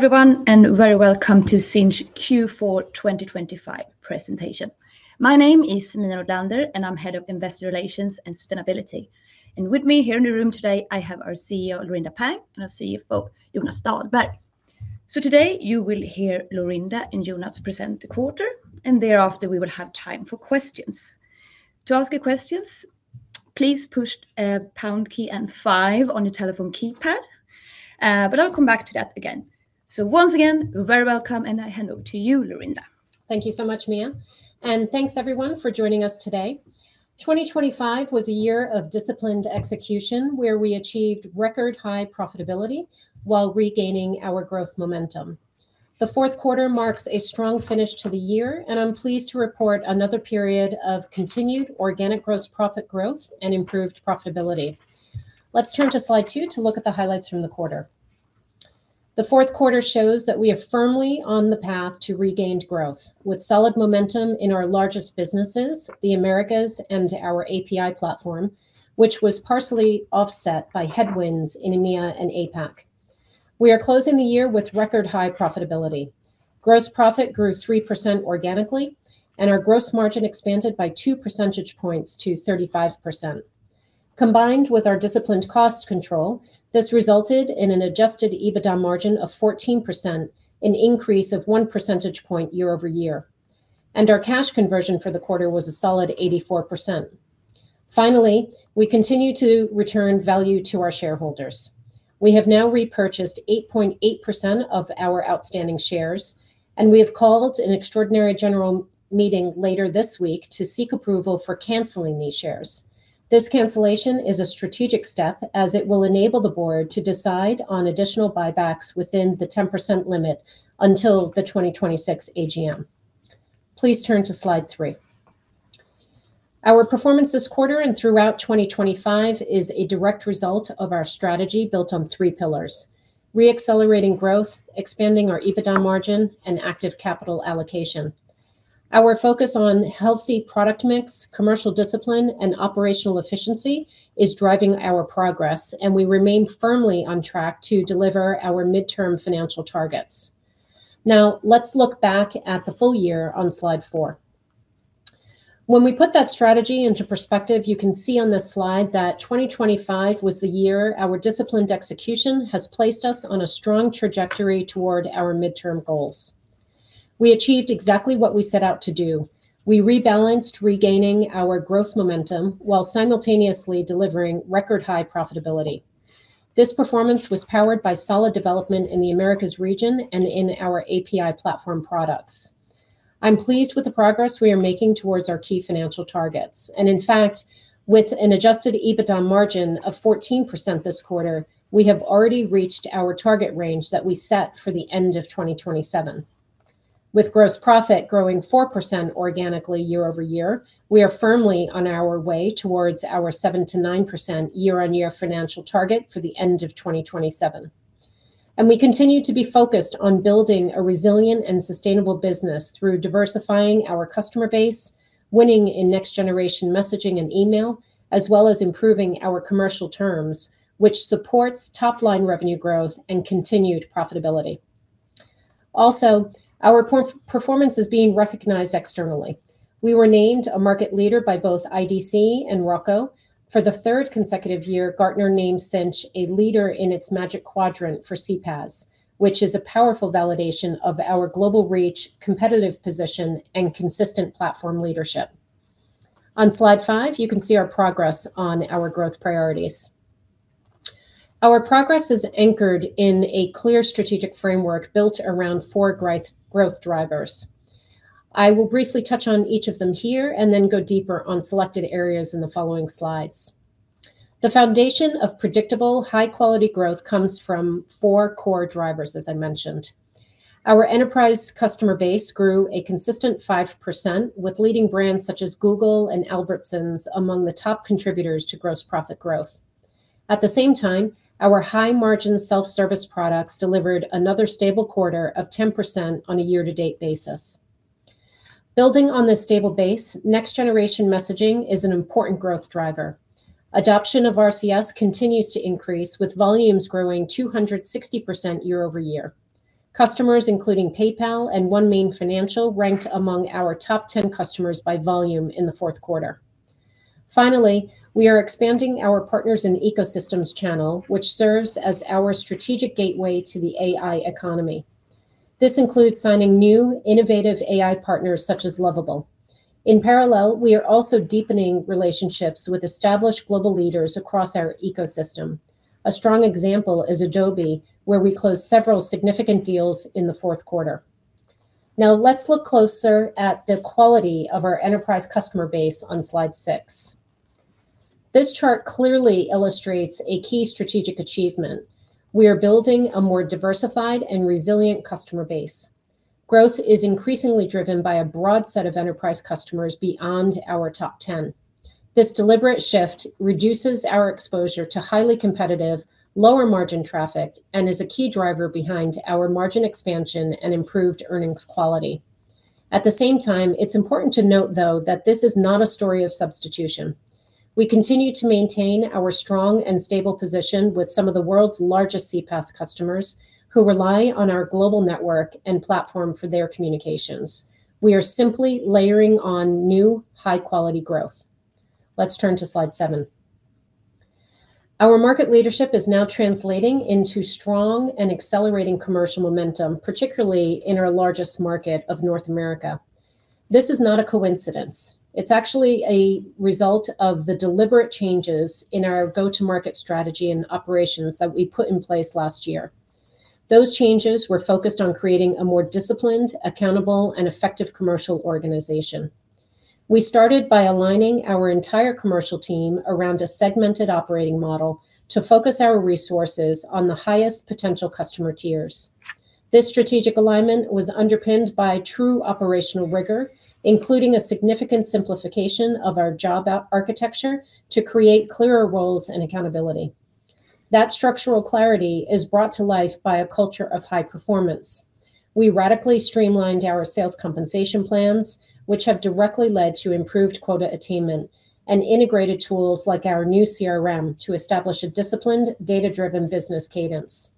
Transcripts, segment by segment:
Hello everyone, and very welcome to Sinch Q4 2025 presentation. My name is Mia Nordlander, and I'm Head of Investor Relations and Sustainability. With me here in the room today, I have our CEO, Laurinda Pang, and our CFO, Jonas Dahlberg. Today, you will hear Laurinda and Jonas present the quarter, and thereafter we will have time for questions. To ask your questions, please push pound key and five on your telephone keypad. But I'll come back to that again. Once again, very welcome, and I hand over to you, Laurinda. Thank you so much, Mia, and thanks everyone for joining us today. 2025 was a year of disciplined execution, where we achieved record high profitability while regaining our growth momentum. The fourth quarter marks a strong finish to the year, and I'm pleased to report another period of continued organic gross profit growth and improved profitability. Let's turn to slide two to look at the highlights from the quarter. The fourth quarter shows that we are firmly on the path to regained growth, with solid momentum in our largest businesses, the Americas and our API platform, which was partially offset by headwinds in EMEA and APAC. We are closing the year with record high profitability. Gross profit grew 3% organically, and our gross margin expanded by two percentage points to 35%. Combined with our disciplined cost control, this resulted in an Adjusted EBITDA margin of 14%, an increase of one percentage point year-over-year, and our cash conversion for the quarter was a solid 84%. Finally, we continue to return value to our shareholders. We have now repurchased 8.8% of our outstanding shares, and we have called an extraordinary general meeting later this week to seek approval for canceling these shares. This cancellation is a strategic step, as it will enable the board to decide on additional buybacks within the 10% limit until the 2026 AGM. Please turn to slide three. Our performance this quarter and throughout 2025 is a direct result of our strategy, built on three pillars: re-accelerating growth, expanding our EBITDA margin, and active capital allocation. Our focus on healthy product mix, commercial discipline, and operational efficiency is driving our progress, and we remain firmly on track to deliver our midterm financial targets. Now, let's look back at the full year on slide four. When we put that strategy into perspective, you can see on this slide that 2025 was the year our disciplined execution has placed us on a strong trajectory toward our midterm goals. We achieved exactly what we set out to do. We rebalanced, regaining our growth momentum, while simultaneously delivering record high profitability. This performance was powered by solid development in the Americas region and in our API platform products. I'm pleased with the progress we are making towards our key financial targets, and in fact, with an Adjusted EBITDA margin of 14% this quarter, we have already reached our target range that we set for the end of 2027. With gross profit growing 4% organically year-over-year, we are firmly on our way towards our 7%-9% year-on-year financial target for the end of 2027. We continue to be focused on building a resilient and sustainable business through diversifying our customer base, winning in next-generation messaging and email, as well as improving our commercial terms, which supports top-line revenue growth and continued profitability. Also, our performance is being recognized externally. We were named a market leader by both IDC and ROCCO. For the third consecutive year, Gartner named Sinch a leader in its Magic Quadrant for CPaaS, which is a powerful validation of our global reach, competitive position, and consistent platform leadership. On Slide five, you can see our progress on our growth priorities. Our progress is anchored in a clear strategic framework built around four growth drivers. I will briefly touch on each of them here, and then go deeper on selected areas in the following slides. The foundation of predictable, high-quality growth comes from four core drivers, as I mentioned. Our enterprise customer base grew a consistent 5%, with leading brands such as Google and Albertsons among the top contributors to gross profit growth. At the same time, our high-margin self-service products delivered another stable quarter of 10% on a year-to-date basis. Building on this stable base, next-generation messaging is an important growth driver. Adoption of RCS continues to increase, with volumes growing 260% year-over-year. Customers, including PayPal and OneMain Financial, ranked among our top 10 customers by volume in the fourth quarter. Finally, we are expanding our partners and ecosystems channel, which serves as our strategic gateway to the AI economy. This includes signing new, innovative AI partners such as Lovable. In parallel, we are also deepening relationships with established global leaders across our ecosystem. A strong example is Adobe, where we closed several significant deals in the fourth quarter. Now, let's look closer at the quality of our enterprise customer base on Slide six. This chart clearly illustrates a key strategic achievement. We are building a more diversified and resilient customer base. Growth is increasingly driven by a broad set of enterprise customers beyond our top 10. This deliberate shift reduces our exposure to highly competitive, lower-margin traffic, and is a key driver behind our margin expansion and improved earnings quality. At the same time, it's important to note, though, that this is not a story of substitution. We continue to maintain our strong and stable position with some of the world's largest CPaaS customers, who rely on our global network and platform for their communications. We are simply layering on new, high-quality growth. Let's turn to Slide seven. Our market leadership is now translating into strong and accelerating commercial momentum, particularly in our largest market of North America. This is not a coincidence. It's actually a result of the deliberate changes in our go-to-market strategy and operations that we put in place last year. Those changes were focused on creating a more disciplined, accountable, and effective commercial organization. We started by aligning our entire commercial team around a segmented operating model to focus our resources on the highest potential customer tiers. This strategic alignment was underpinned by true operational rigor, including a significant simplification of our job architecture to create clearer roles and accountability. That structural clarity is brought to life by a culture of high performance. We radically streamlined our sales compensation plans, which have directly led to improved quota attainment and integrated tools like our new CRM to establish a disciplined, data-driven business cadence.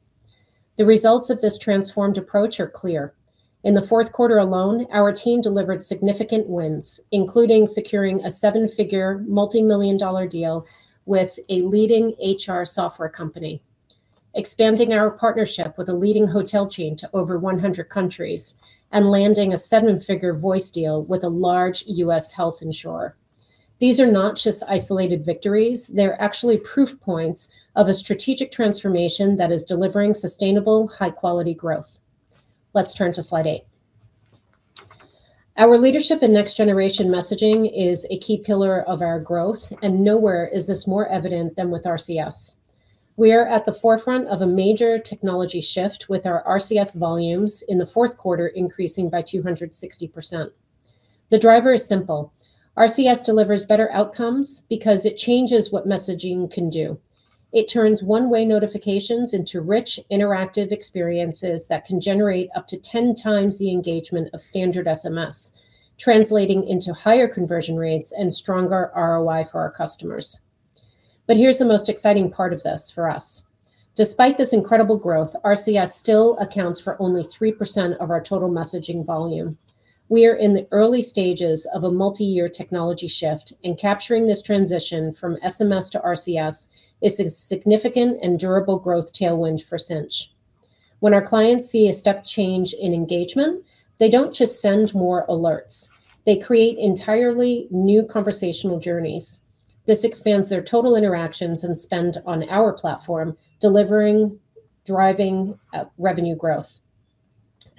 The results of this transformed approach are clear. In the fourth quarter alone, our team delivered significant wins, including securing a seven-figure, multimillion-dollar deal with a leading HR software company, expanding our partnership with a leading hotel chain to over 100 countries, and landing a seven-figure voice deal with a large US health insurer. These are not just isolated victories, they're actually proof points of a strategic transformation that is delivering sustainable, high-quality growth. Let's turn to Slide eight. Our leadership in next-generation messaging is a key pillar of our growth, and nowhere is this more evident than with RCS. We are at the forefront of a major technology shift, with our RCS volumes in the fourth quarter increasing by 260%. The driver is simple: RCS delivers better outcomes because it changes what messaging can do. It turns one-way notifications into rich, interactive experiences that can generate up to 10x the engagement of standard SMS, translating into higher conversion rates and stronger ROI for our customers. But here's the most exciting part of this for us: despite this incredible growth, RCS still accounts for only 3% of our total messaging volume. We are in the early stages of a multi-year technology shift, and capturing this transition from SMS to RCS is a significant and durable growth tailwind for Sinch. When our clients see a step change in engagement, they don't just send more alerts, they create entirely new conversational journeys. This expands their total interactions and spend on our platform, delivering, driving, revenue growth.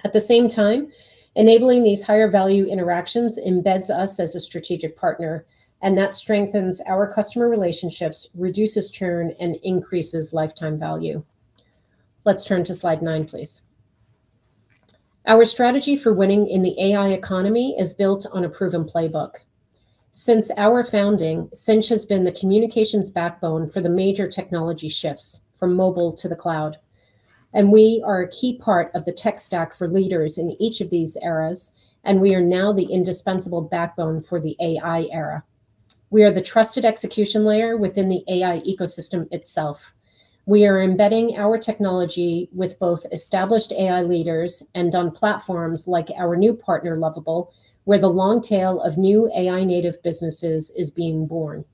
At the same time, enabling these higher value interactions embeds us as a strategic partner, and that strengthens our customer relationships, reduces churn, and increases lifetime value. Let's turn to Slide nine, please. Our strategy for winning in the AI economy is built on a proven playbook. Since our founding, Sinch has been the communications backbone for the major technology shifts from mobile to the cloud, and we are a key part of the tech stack for leaders in each of these eras, and we are now the indispensable backbone for the AI era. We are the trusted execution layer within the AI ecosystem itself. We are embedding our technology with both established AI leaders and on platforms like our new partner, Lovable, where the long tail of new AI-native businesses is being born.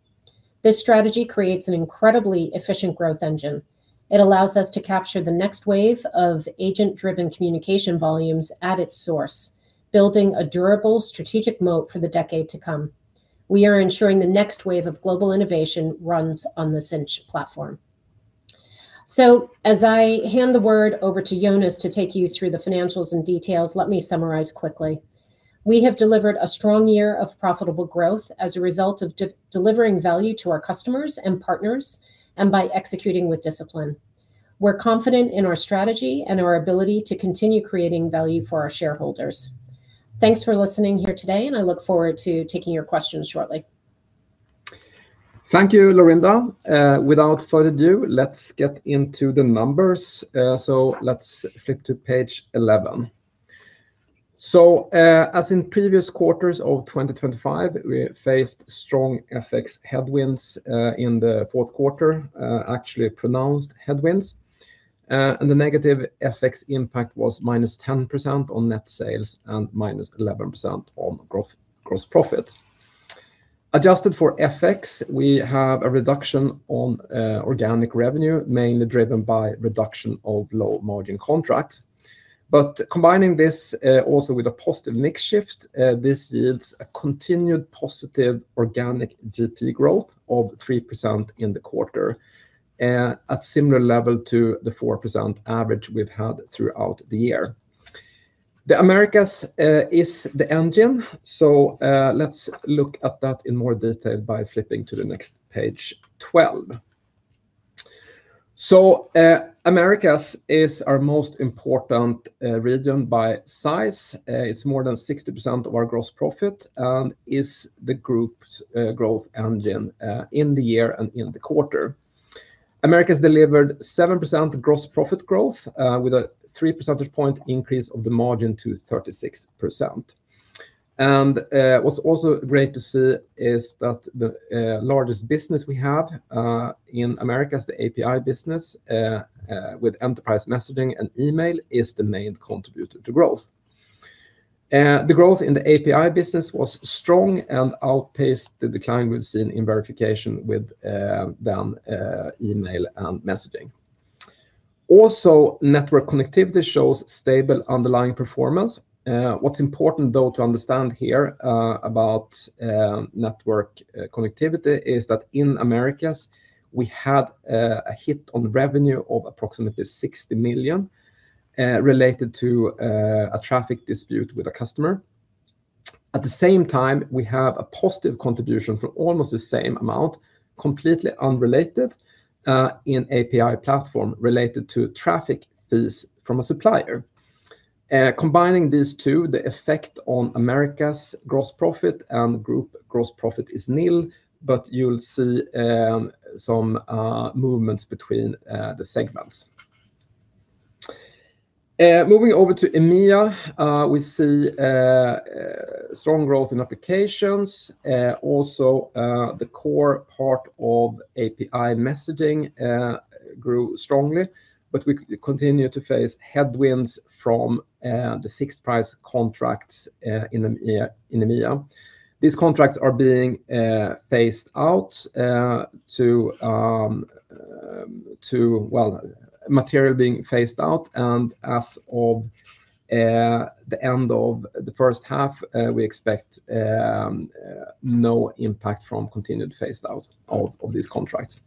This strategy creates an incredibly efficient growth engine. It allows us to capture the next wave of agent-driven communication volumes at its source, building a durable strategic moat for the decade to come. We are ensuring the next wave of global innovation runs on the Sinch platform. So as I hand the word over to Jonas to take you through the financials and details, let me summarize quickly. We have delivered a strong year of profitable growth as a result of delivering value to our customers and partners, and by executing with discipline. We're confident in our strategy and our ability to continue creating value for our shareholders. Thanks for listening here today, and I look forward to taking your questions shortly. Thank you, Laurinda. Without further ado, let's get into the numbers. So let's flip to page 11. So, as in previous quarters of 2025, we faced strong FX headwinds in the fourth quarter, actually pronounced headwinds. And the negative FX impact was -10% on net sales and -11% on gross profit growth. Adjusted for FX, we have a reduction on organic revenue, mainly driven by reduction of low-margin contracts. But combining this also with a positive mix shift, this yields a continued positive organic GP growth of 3% in the quarter, at similar level to the 4% average we've had throughout the year. The Americas is the engine, so let's look at that in more detail by flipping to the next page, 12. So, Americas is our most important region by size. It's more than 60% of our gross profit and is the group's growth engine in the year and in the quarter. Americas delivered 7% gross profit growth with a three percentage point increase of the margin to 36%. What's also great to see is that the largest business we have in Americas, the API business with enterprise messaging and email, is the main contributor to growth. The growth in the API business was strong and outpaced the decline we've seen in verification with then email and messaging. Also, network connectivity shows stable underlying performance. What's important, though, to understand here, about network connectivity is that in Americas, we had a hit on revenue of approximately 60 million related to a traffic dispute with a customer. At the same time, we have a positive contribution from almost the same amount, completely unrelated, in API platform related to traffic fees from a supplier. Combining these two, the effect on America's gross profit and group gross profit is nil, but you'll see some movements between the segments. Moving over to EMEA, we see strong growth in applications. Also, the core part of API messaging grew strongly, but we continue to face headwinds from the fixed price contracts in EMEA. These contracts are being phased out, to, well, material being phased out, and as of the end of the first half, we expect no impact from continued phased out of these contracts.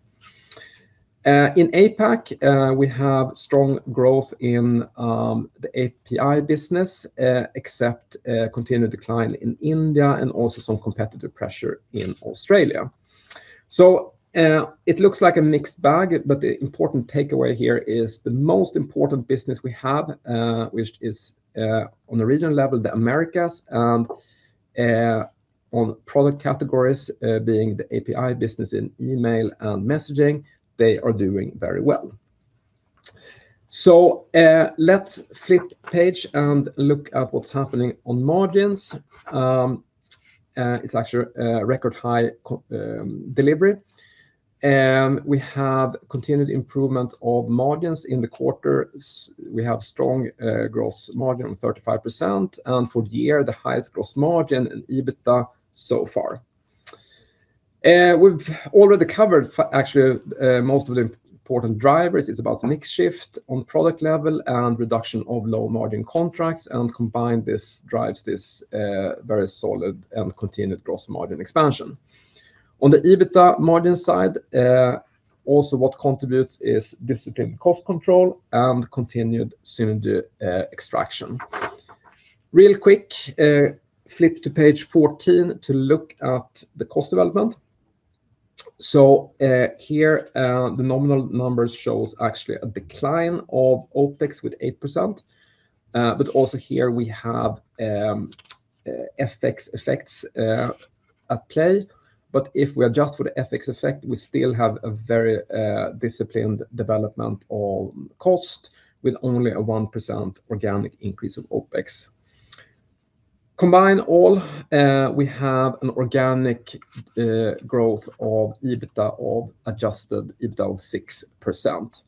In APAC, we have strong growth in the API business, except continued decline in India and also some competitive pressure in Australia. So, it looks like a mixed bag, but the important takeaway here is the most important business we have, which is, on a regional level, the Americas, and, on product categories, being the API business in email and messaging, they are doing very well. So, let's flip page and look at what's happening on margins. It's actually a record high quarterly delivery, and we have continued improvement of margins in the quarter. We have strong gross margin of 35%, and for the year, the highest gross margin in EBITDA so far. We've already covered actually most of the important drivers. It's about mix shift on product level and reduction of low-margin contracts, and combined, this drives this very solid and continued gross margin expansion. On the EBITDA margin side, also what contributes is disciplined cost control and continued synergy extraction. Real quick, flip to page 14 to look at the cost development. So, here, the nominal numbers show actually a decline of OpEx with 8%, but also here we have FX effects at play. But if we adjust for the FX effect, we still have a very disciplined development of cost with only a 1% organic increase of OpEx. Combine all, we have an organic growth of EBITDA of Adjusted EBITDA of 6%,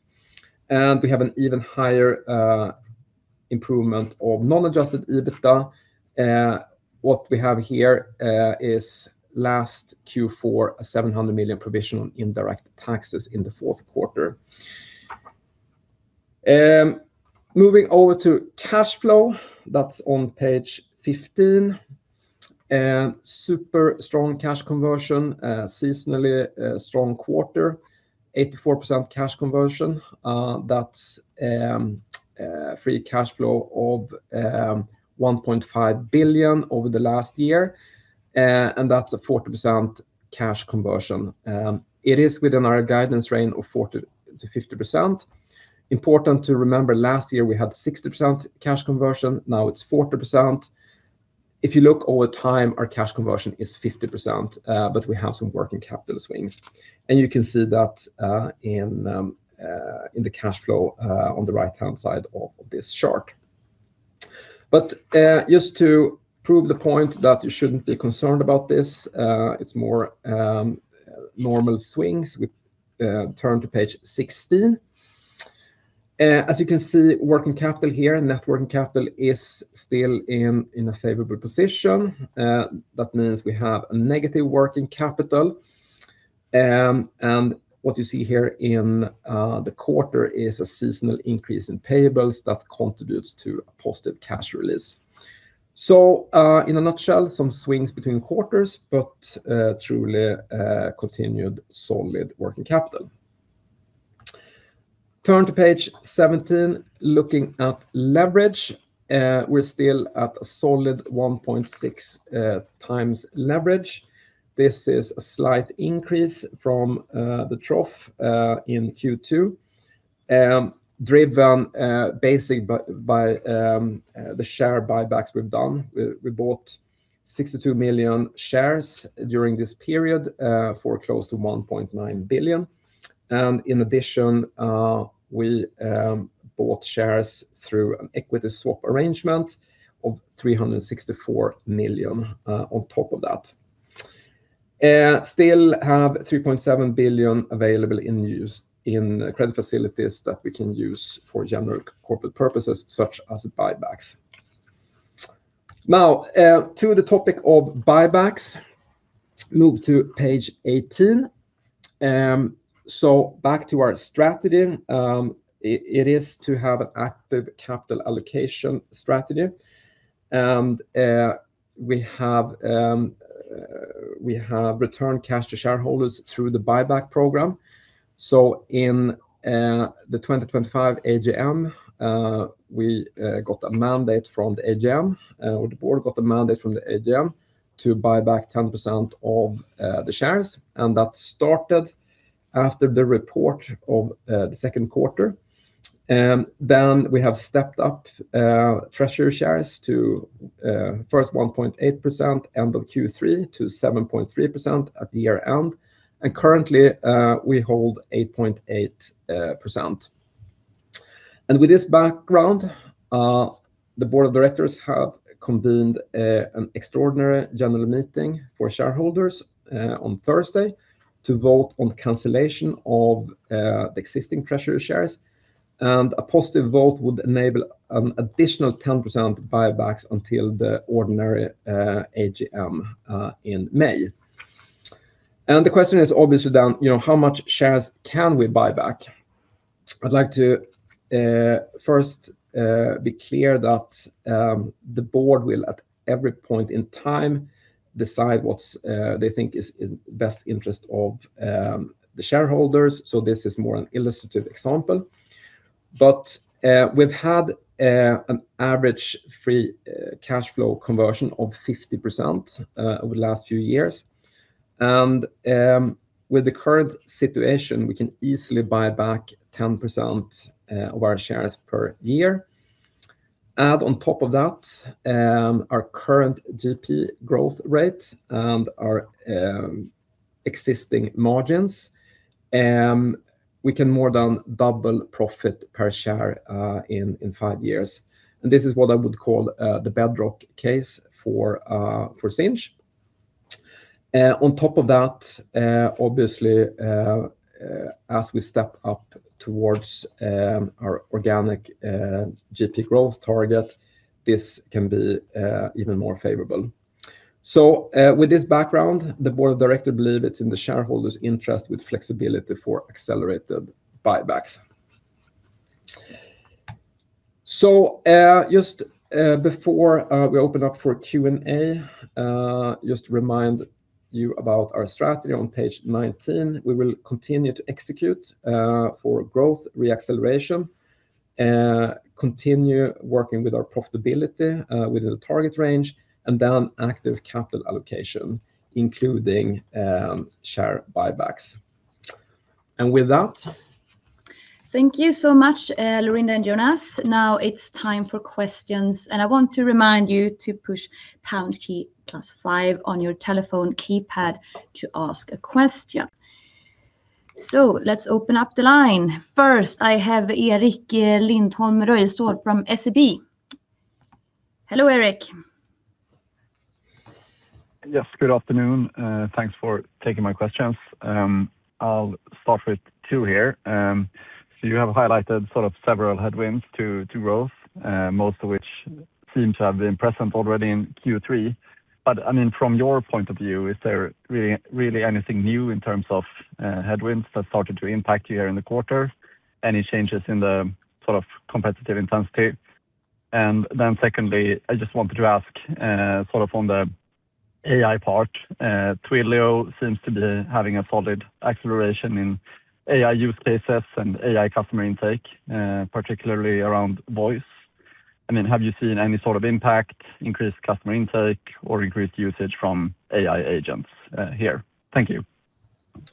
and we have an even higher improvement of non-Adjusted EBITDA. What we have here is last Q4, a 700 million provision on indirect taxes in the fourth quarter. Moving over to cash flow, that's on page 15. Super strong cash conversion, seasonally strong quarter, 84% cash conversion. That's free cash flow of 1.5 billion over the last year, and that's a 40% cash conversion. It is within our guidance range of 40%-50%. Important to remember, last year, we had 60% cash conversion, now it's 40%. If you look over time, our cash conversion is 50%, but we have some working capital swings, and you can see that in the cash flow on the right-hand side of this chart. But just to prove the point that you shouldn't be concerned about this, it's more normal swings. We turn to page 16. As you can see, working capital here, net working capital is still in a favorable position. That means we have a negative working capital. And what you see here in the quarter is a seasonal increase in payables that contributes to a positive cash release. So in a nutshell, some swings between quarters, but truly a continued solid working capital. Turn to page 17, looking at leverage. We're still at a solid 1.6x leverage. This is a slight increase from the trough in Q2. Driven basic by the share buybacks we've done. We bought 62 million shares during this period for close to 1.9 billion. And in addition, we bought shares through an equity swap arrangement of 364 million on top of that. Still have 3.7 billion available in use in credit facilities that we can use for general corporate purposes, such as buybacks. Now to the topic of buybacks, move to page 18. So back to our strategy. It is to have an active capital allocation strategy. And we have returned cash to shareholders through the buyback program. So in the 2025 AGM, we got a mandate from the AGM, or the board got a mandate from the AGM to buy back 10% of the shares, and that started after the report of the second quarter. Then we have stepped up treasury shares to first 1.8% end of Q3 to 7.3% at the year-end. And currently, we hold 8.8%. And with this background, the board of directors have convened an extraordinary general meeting for shareholders on Thursday to vote on cancellation of the existing treasury shares, and a positive vote would enable an additional 10% buybacks until the ordinary AGM in May. And the question is obviously then, you know, how much shares can we buy back? I'd like to first be clear that the board will, at every point in time, decide what's they think is in best interest of the shareholders. So this is more an illustrative example, but we've had an average free cash flow conversion of 50% over the last few years. And with the current situation, we can easily buy back 10% of our shares per year. Add on top of that, our current GP growth rate and our existing margins, we can more than double profit per share in five years. And this is what I would call the bedrock case for Sinch. On top of that, obviously, as we step up towards our organic GP growth target, this can be even more favorable. So, with this background, the board of directors believe it's in the shareholders' interest with flexibility for accelerated buybacks. So, just before we open up for Q&A, just to remind you about our strategy on page 19, we will continue to execute for growth reacceleration, continue working with our profitability within the target range, and then active capital allocation, including share buybacks. And with that. Thank you so much, Laurinda and Jonas. Now it's time for questions, and I want to remind you to push pound key plus five on your telephone keypad to ask a question. So let's open up the line. First, I have Erik Lindholm Røystad from SEB. Hello, Erik. Yes, good afternoon. Thanks for taking my questions. I'll start with two here. So you have highlighted sort of several headwinds to growth, most of which seem to have been present already in Q3. But I mean, from your point of view, is there really, really anything new in terms of headwinds that started to impact you here in the quarter? Any changes in the sort of competitive intensity? And then secondly, I just wanted to ask sort of on the AI part, Twilio seems to be having a solid acceleration in AI use cases and AI customer intake, particularly around voice. I mean, have you seen any sort of impact, increased customer intake, or increased usage from AI agents here? Thank you.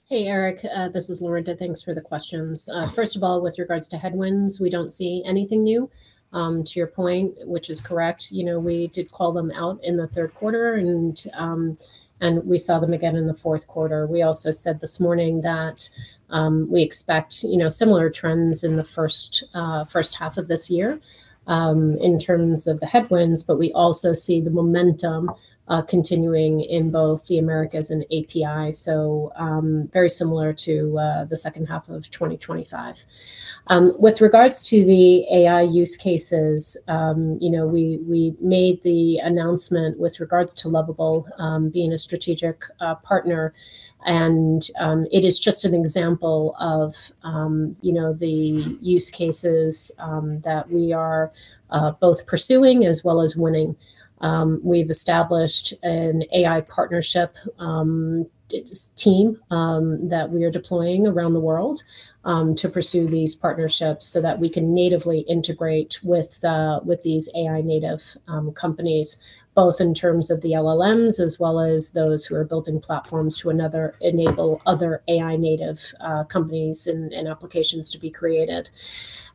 Hey, Erik, this is Laurinda. Thanks for the questions. First of all, with regards to headwinds, we don't see anything new, to your point, which is correct. You know, we did call them out in the third quarter, and we saw them again in the fourth quarter. We also said this morning that we expect, you know, similar trends in the first half of this year, in terms of the headwinds, but we also see the momentum continuing in both the Americas and API. So, very similar to the second half of 2025. With regards to the AI use cases, you know, we made the announcement with regards to Lovable being a strategic partner. It is just an example of, you know, the use cases that we are both pursuing as well as winning. We've established an AI partnership team that we are deploying around the world to pursue these partnerships so that we can natively integrate with these AI native companies, both in terms of the LLMs as well as those who are building platforms to enable other AI native companies and applications to be created.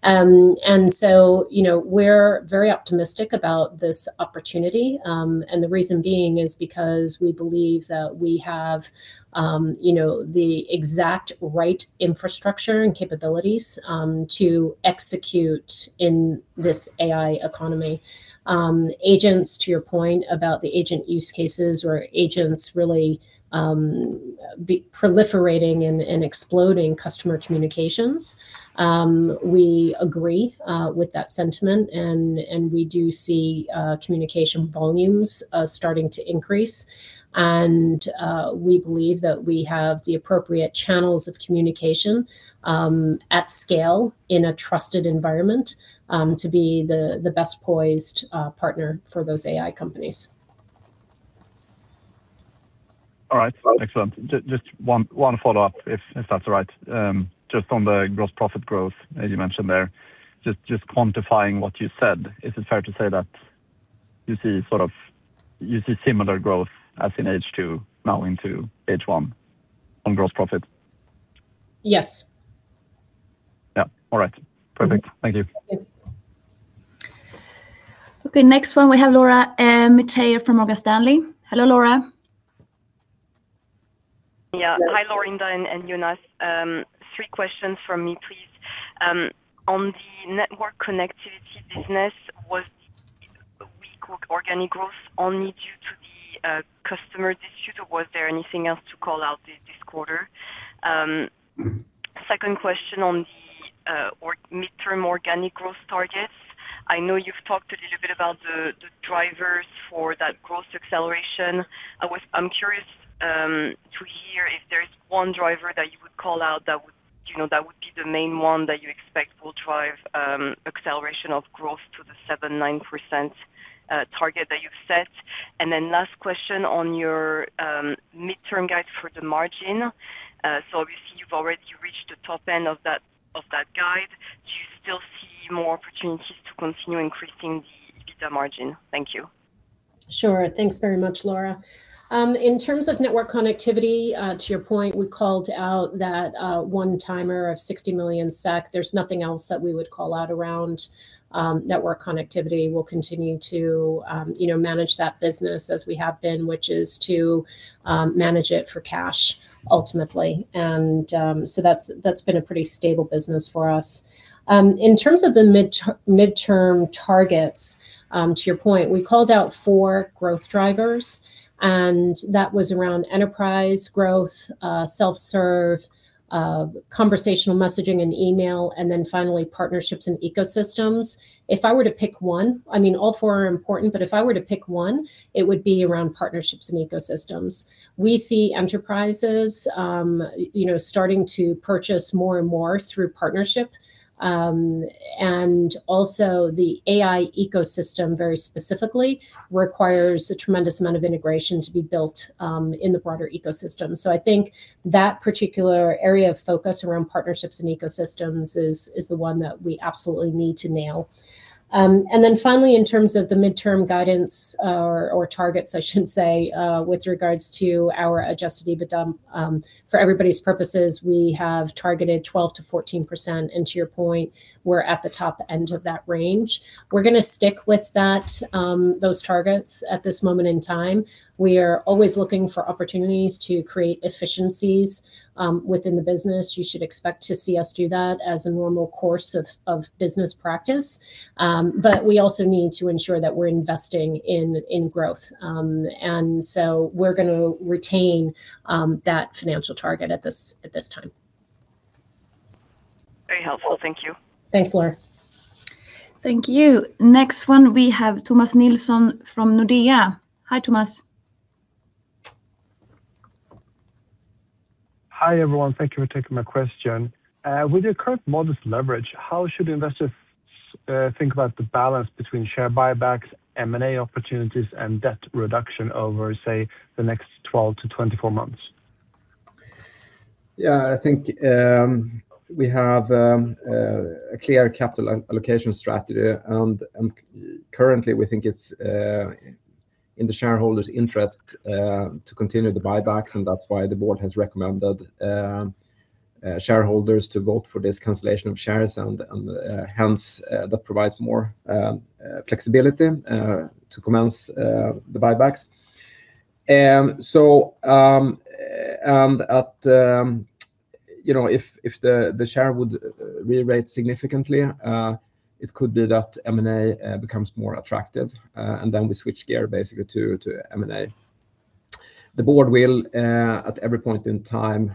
And so, you know, we're very optimistic about this opportunity. And the reason being is because we believe that we have, you know, the exact right infrastructure and capabilities to execute in this AI economy. Agents, to your point about the agent use cases, where agents really be proliferating and exploding customer communications, we agree with that sentiment, and we do see communication volumes starting to increase. We believe that we have the appropriate channels of communication at scale in a trusted environment to be the best poised partner for those AI companies. All right, excellent. Just one follow-up, if that's all right. Just on the gross profit growth, as you mentioned there, just quantifying what you said. Is it fair to say that you see sort of, you see similar growth as in H2 now into H1 on gross profit? Yes. Yeah. All right. Perfect. Thank you. Thank you. Okay, next one, we have Laura Metayer from Morgan Stanley. Hello, Laura. Yeah. Hi, Laurinda and Jonas. Three questions from me, please. On the network connectivity business, was the weak organic growth only due to the customer issue, or was there anything else to call out this quarter? Second question on the midterm organic growth targets. I know you've talked a little bit about the drivers for that growth acceleration. I'm curious to hear if there is one driver that you would call out that would, you know, that would be the main one that you expect will drive acceleration of growth to the 7%-9% target that you've set. And then last question on your midterm guide for the margin. So obviously, you've already reached the top end of that guide. Do you still see more opportunities to continue increasing the EBITDA margin? Thank you. Sure. Thanks very much, Laura. In terms of network connectivity, to your point, we called out that one-timer of 60 million SEK. There's nothing else that we would call out around network connectivity. We'll continue to, you know, manage that business as we have been, which is to manage it for cash, ultimately. And so that's, that's been a pretty stable business for us. In terms of the midterm targets, to your point, we called out four growth drivers, and that was around enterprise growth, self-serve, conversational messaging and email, and then finally, partnerships and ecosystems. If I were to pick one, I mean, all four are important, but if I were to pick one, it would be around partnerships and ecosystems. We see enterprises, you know, starting to purchase more and more through partnership. And also the AI ecosystem, very specifically, requires a tremendous amount of integration to be built, in the broader ecosystem. So I think that particular area of focus around partnerships and ecosystems is the one that we absolutely need to nail. And then finally, in terms of the midterm guidance, or targets, I should say, with regards to our Adjusted EBITDA, for everybody's purposes, we have targeted 12%-14%, and to your point, we're at the top end of that range. We're gonna stick with that, those targets at this moment in time. We are always looking for opportunities to create efficiencies, within the business. You should expect to see us do that as a normal course of business practice. But we also need to ensure that we're investing in growth. And so we're gonna retain that financial target at this, at this time. Very helpful. Thank you. Thanks, Laura. Thank you. Next one, we have Thomas Nilsson from Nordea. Hi, Thomas. Hi, everyone. Thank you for taking my question. With your current modest leverage, how should investors think about the balance between share buybacks, M&A opportunities, and debt reduction over, say, the next 12-24 months? Yeah, I think we have a clear capital allocation strategy. And currently, we think it's in the shareholders' interest to continue the buybacks, and that's why the board has recommended shareholders to vote for this cancellation of shares, and hence that provides more flexibility to commence the buybacks. So, and at, you know, if the share would re-rate significantly, it could be that M&A becomes more attractive, and then we switch gear basically to M&A. The board will at every point in time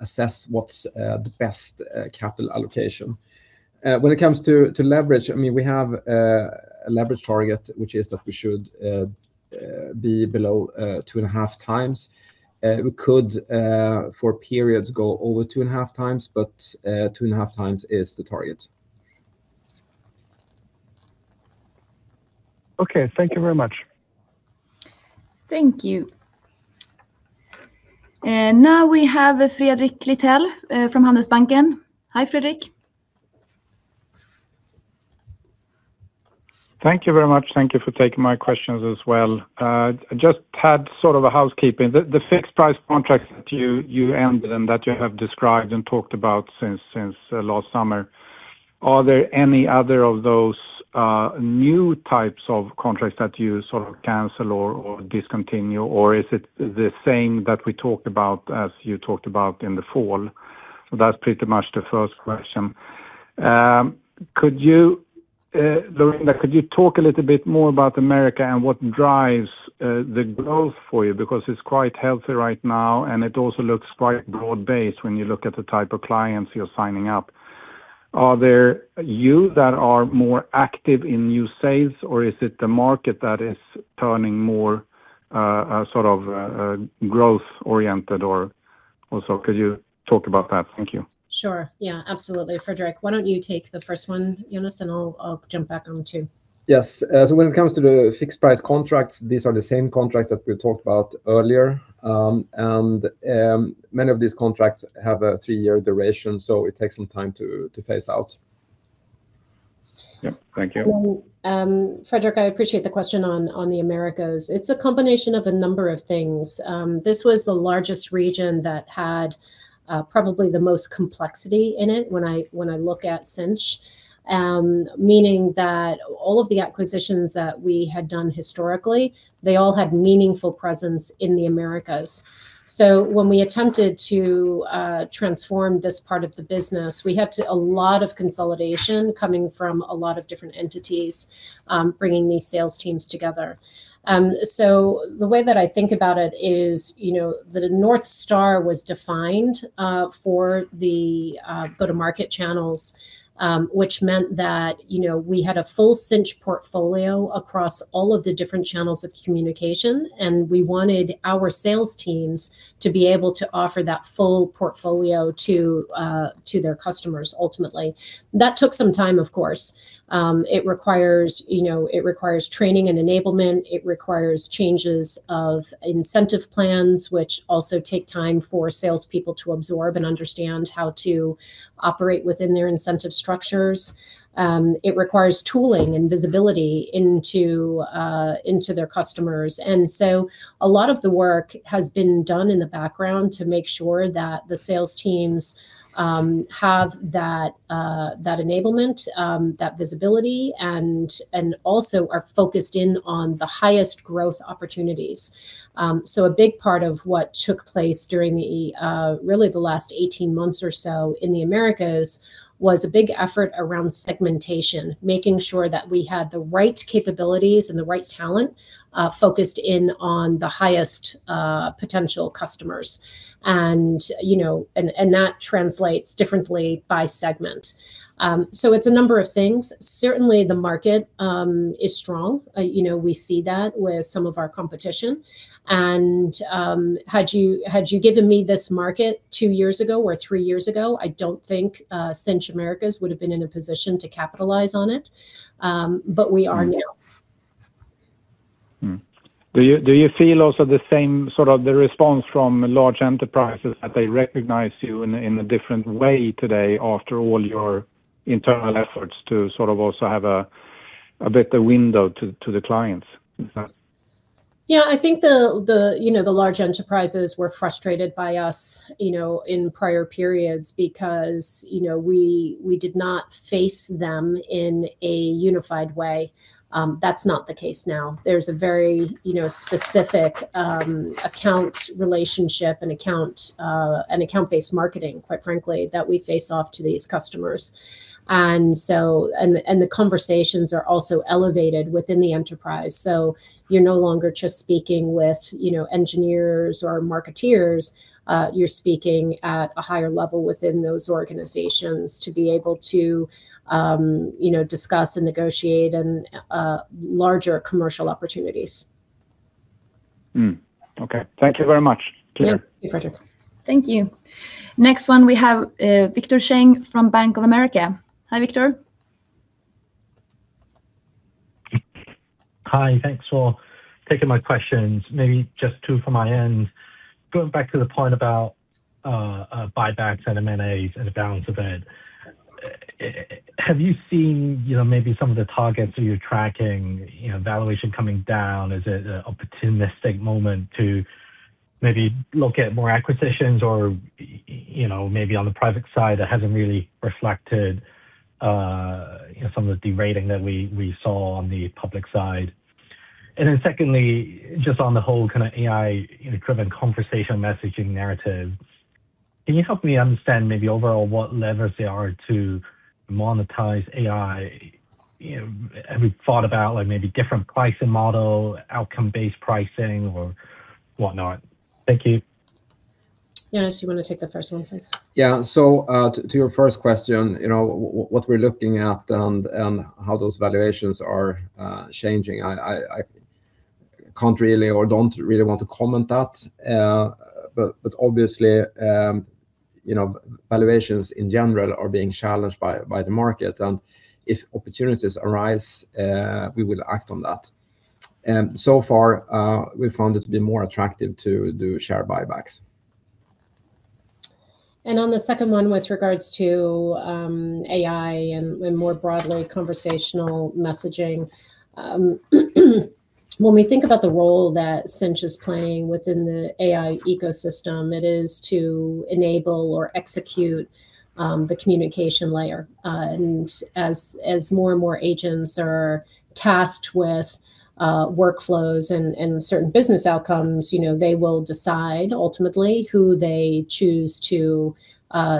assess what's the best capital allocation. When it comes to leverage, I mean, we have a leverage target, which is that we should be below two and a half times. We could, for periods, go over 2.5x, but 2.5x is the target. Okay. Thank you very much. Thank you. Now we have Fredrik Lithell from Handelsbanken. Hi, Fredrik. Thank you very much. Thank you for taking my questions as well. Just had sort of a housekeeping. The fixed price contracts that you ended and that you have described and talked about since last summer, are there any other of those new types of contracts that you sort of cancel or discontinue, or is it the same that we talked about as you talked about in the fall? That's pretty much the first question. Could you, Laurinda, talk a little bit more about America and what drives the growth for you? Because it's quite healthy right now, and it also looks quite broad-based when you look at the type of clients you're signing up. Are there you that are more active in new sales, or is it the market that is turning more, sort of, growth-oriented or- Also, could you talk about that? Thank you. Sure. Yeah, absolutely. Fredrik, why don't you take the first one, Jonas, and I'll, I'll jump back on two. Yes. So when it comes to the fixed price contracts, these are the same contracts that we talked about earlier. And many of these contracts have a three-year duration, so it takes some time to phase out. Yep, thank you. And, Fredrik, I appreciate the question on, on the Americas. It's a combination of a number of things. This was the largest region that had, probably the most complexity in it when I, when I look at Sinch. Meaning that all of the acquisitions that we had done historically, they all had meaningful presence in the Americas. So when we attempted to, transform this part of the business, we had to a lot of consolidation coming from a lot of different entities, bringing these sales teams together. So the way that I think about it is, you know, that a North Star was defined for the go-to-market channels, which meant that, you know, we had a full Sinch portfolio across all of the different channels of communication, and we wanted our sales teams to be able to offer that full portfolio to to their customers ultimately. That took some time, of course. It requires, you know, it requires training and enablement. It requires changes of incentive plans, which also take time for salespeople to absorb and understand how to operate within their incentive structures. It requires tooling and visibility into into their customers. And so a lot of the work has been done in the background to make sure that the sales teams have that, that enablement, that visibility, and, and also are focused in on the highest growth opportunities. So a big part of what took place during the, really, the last 18 months or so in the Americas was a big effort around segmentation, making sure that we had the right capabilities and the right talent focused in on the highest, potential customers. And, you know, and, and that translates differently by segment. So it's a number of things. Certainly, the market is strong. You know, we see that with some of our competition. Had you given me this market two years ago or three years ago, I don't think Sinch Americas would have been in a position to capitalize on it, but we are now. Mm-hmm. Do you feel also the same sort of the response from large enterprises that they recognize you in a different way today, after all your internal efforts to sort of also have a better window to the clients? Yeah. I think the, you know, the large enterprises were frustrated by us, you know, in prior periods because, you know, we did not face them in a unified way. That's not the case now. There's a very, you know, specific account relationship and account-based marketing, quite frankly, that we face off to these customers. And the conversations are also elevated within the enterprise. So you're no longer just speaking with, you know, engineers or marketeers, you're speaking at a higher level within those organizations to be able to, you know, discuss and negotiate and larger commercial opportunities. Hmm. Okay. Thank you very much. Yeah. Thank you, Fredrik. Thank you. Next one, we have Victor Cheng from Bank of America. Hi, Victor. Hi, thanks for taking my questions. Maybe just two from my end. Going back to the point about buybacks and M&As and the balance of it, have you seen, you know, maybe some of the targets that you're tracking, you know, valuation coming down? Is it an opportunistic moment to maybe look at more acquisitions or, you know, maybe on the private side, that hasn't really reflected, you know, some of the de-rating that we saw on the public side? And then secondly, just on the whole kind of AI equivalent conversational messaging narrative, can you help me understand maybe overall what levers there are to monetize AI? You know, have you thought about, like, maybe different pricing model, outcome-based pricing or whatnot? Thank you. Jonas, you want to take the first one, please? Yeah. So, to your first question, you know, what we're looking at and how those valuations are changing, I can't really or don't really want to comment that. But obviously, you know, valuations, in general, are being challenged by the market, and if opportunities arise, we will act on that. And so far, we found it to be more attractive to do share buybacks. And on the second one, with regards to AI and more broadly, conversational messaging, when we think about the role that Sinch is playing within the AI ecosystem, it is to enable or execute the communication layer. And as more and more agents are tasked with workflows and certain business outcomes, you know, they will decide ultimately who they choose to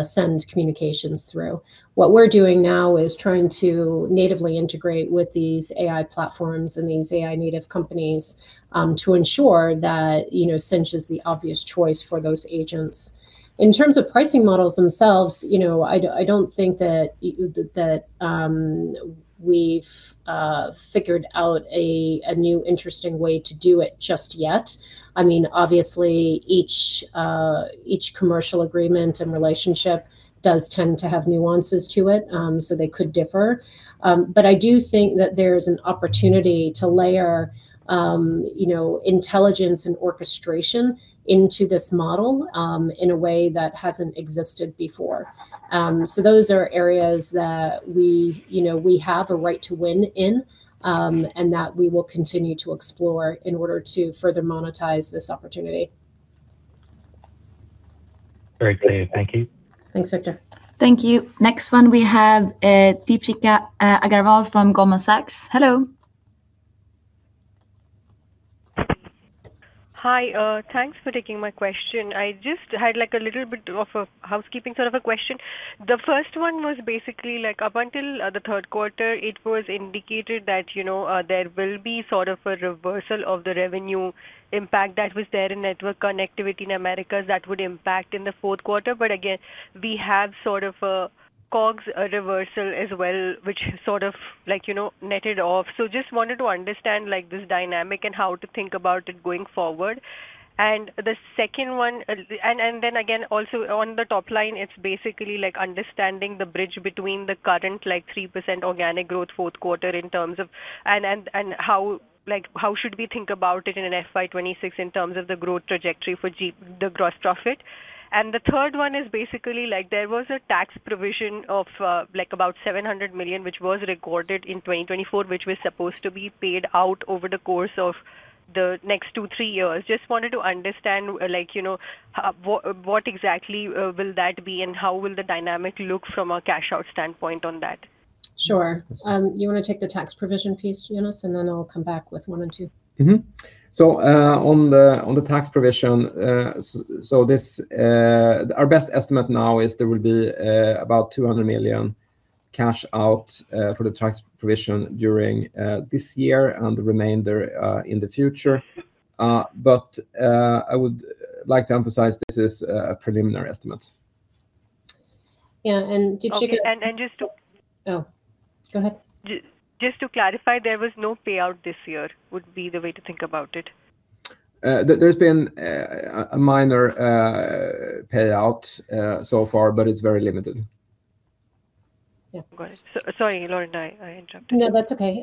send communications through. What we're doing now is trying to natively integrate with these AI platforms and these AI native companies to ensure that, you know, Sinch is the obvious choice for those agents. In terms of pricing models themselves, you know, I don't think that we've figured out a new interesting way to do it just yet. I mean, obviously, each commercial agreement and relationship does tend to have nuances to it, so they could differ. But I do think that there's an opportunity to layer, you know, intelligence and orchestration into this model, in a way that hasn't existed before. So those are areas that we, you know, we have a right to win in, and that we will continue to explore in order to further monetize this opportunity. Very clear. Thank you. Thanks, Victor. Thank you. Next one, we have Deepshikha Agarwal from Goldman Sachs. Hello. Hi, thanks for taking my question. I just had, like, a little bit of a housekeeping sort of a question. The first one was basically, like, up until the third quarter, it was indicated that, you know, there will be sort of a reversal of the revenue impact that was there in network connectivity in Americas that would impact in the fourth quarter. But again, we have sort of a COGS reversal as well, which sort of like, you know, netted off. So just wanted to understand, like, this dynamic and how to think about it going forward. And the second one, and then again, also on the top line, it's basically like understanding the bridge between the current, like, 3% organic growth fourth quarter in terms of... And how, like, how should we think about it in an FY 2026 in terms of the growth trajectory for GP, the gross profit? And the third one is basically like there was a tax provision of like about 700 million, which was recorded in 2024, which was supposed to be paid out over the course of the next two, three years. Just wanted to understand, like, you know, what exactly will that be, and how will the dynamic look from a cash-out standpoint on that? Sure. You wanna take the tax provision piece, Jonas, and then I'll come back with one and two. Mm-hmm. So, on the tax provision, so this, our best estimate now is there will be about 200 million cash out for the tax provision during this year and the remainder in the future. But, I would like to emphasize this is a, a preliminary estimate. Yeah, and Deepshikha- Okay. And just to- Oh, go ahead. Just to clarify, there was no payout this year, would be the way to think about it? There, there's been a minor payout so far, but it's very limited. Yeah. Got it. Sorry, Laurinda, I interrupted you. No, that's okay.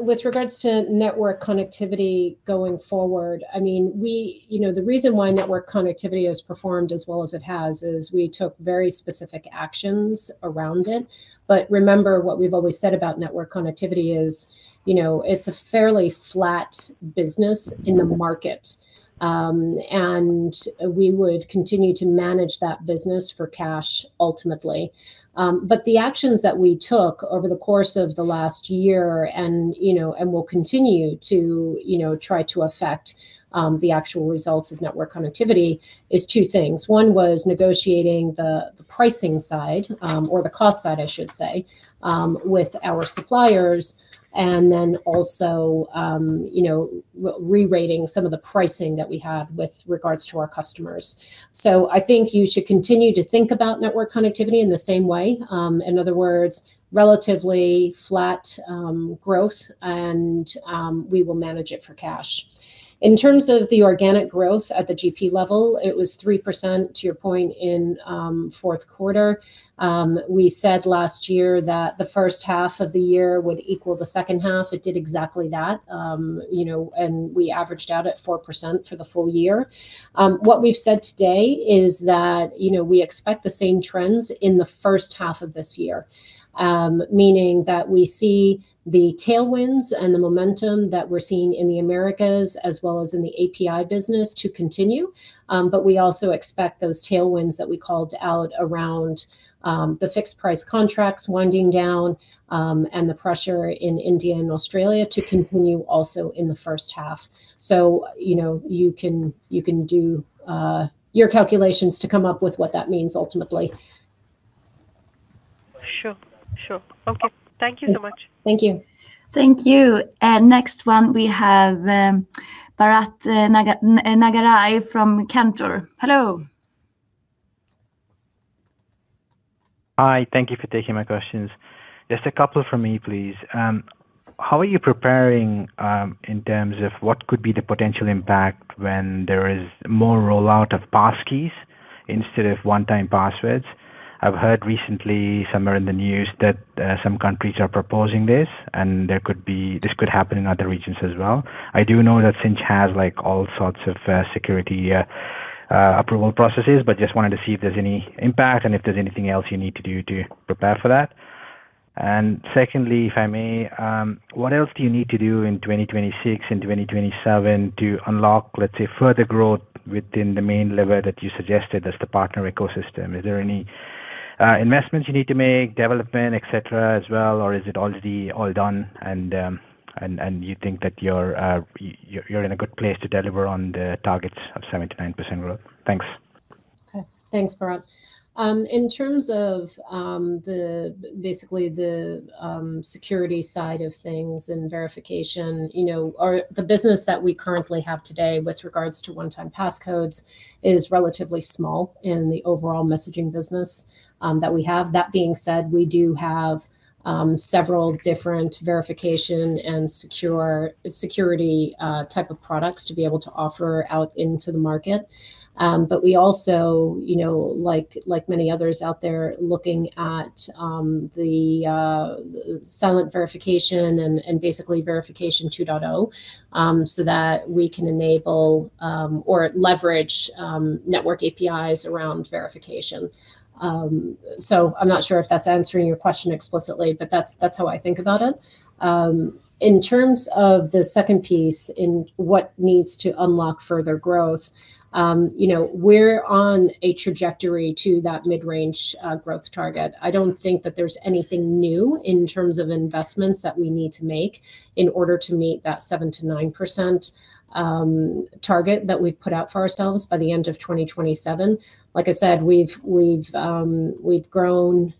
With regards to network connectivity going forward, I mean, we. You know, the reason why network connectivity has performed as well as it has is we took very specific actions around it. But remember, what we've always said about network connectivity is, you know, it's a fairly flat business in the market. We would continue to manage that business for cash ultimately. The actions that we took over the course of the last year, and, you know, and will continue to, you know, try to affect the actual results of network connectivity is two things. One was negotiating the pricing side, or the cost side, I should say, with our suppliers, and then also, you know, rerating some of the pricing that we have with regards to our customers. So I think you should continue to think about network connectivity in the same way. In other words, relatively flat growth, and we will manage it for cash. In terms of the organic growth at the GP level, it was 3%, to your point, in fourth quarter. We said last year that the first half of the year would equal the second half. It did exactly that. You know, and we averaged out at 4% for the full year. What we've said today is that, you know, we expect the same trends in the first half of this year, meaning that we see the tailwinds and the momentum that we're seeing in the Americas, as well as in the API business, to continue. But we also expect those tailwinds that we called out around, the fixed-price contracts winding down, and the pressure in India and Australia to continue also in the first half. So, you know, you can, you can do your calculations to come up with what that means ultimately. Sure. Sure. Okay. Yeah. Thank you so much. Thank you. Thank you. And next one, we have Bharat Nagaraj from Cantor. Hello. Hi, thank you for taking my questions. Just a couple from me, please. How are you preparing in terms of what could be the potential impact when there is more rollout of passkeys instead of one-time passwords? I've heard recently, somewhere in the news, that some countries are proposing this, and there could be, this could happen in other regions as well. I do know that Sinch has, like, all sorts of security approval processes, but just wanted to see if there's any impact and if there's anything else you need to do to prepare for that. And secondly, if I may, what else do you need to do in 2026 and 2027 to unlock, let's say, further growth within the main lever that you suggested as the partner ecosystem? Is there any investments you need to make, development, et cetera, as well, or is it already all done, and you think that you're in a good place to deliver on the targets of 7%-9% growth? Thanks. Okay. Thanks, Bharat. In terms of, basically, the security side of things and verification, you know, the business that we currently have today with regards to one-time passcodes is relatively small in the overall messaging business that we have. That being said, we do have several different verification and security type of products to be able to offer out into the market. But we also, you know, like many others out there, looking at the silent verification and basically verification 2.0, so that we can enable or leverage network APIs around verification. So I'm not sure if that's answering your question explicitly, but that's how I think about it. In terms of the second piece, in what needs to unlock further growth, you know, we're on a trajectory to that mid-range growth target. I don't think that there's anything new in terms of investments that we need to make in order to meet that 7%-9% target that we've put out for ourselves by the end of 2027. Like I said, we've grown 4%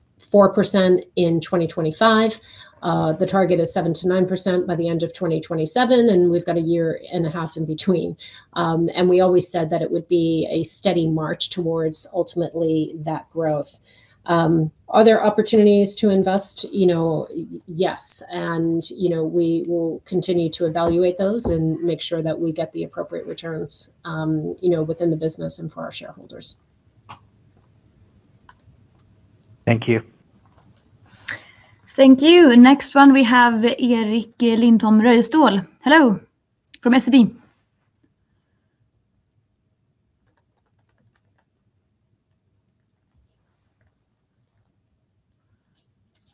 in 2025. The target is 7%-9% by the end of 2027, and we've got a year and a half in between. And we always said that it would be a steady march towards, ultimately, that growth. Are there opportunities to invest? You know, yes, and, you know, we will continue to evaluate those and make sure that we get the appropriate returns, you know, within the business and for our shareholders. Thank you. Thank you. Next one, we have Erik Lindholm Røystad. Hello, from SEB.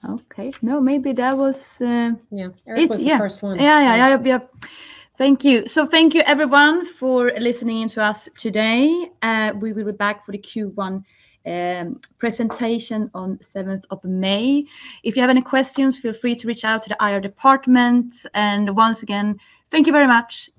Okay, no, maybe that was. Yeah. It's- Erik was the first one. Yeah, yeah, yeah. Yep, yep. Thank you. So thank you everyone for listening in to us today, we will be back for the Q1 presentation on the May 7th. If you have any questions, feel free to reach out to the IR department, and once again, thank you very much.